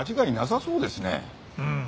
うん。